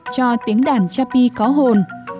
cho tiếng đàn chapi có hồn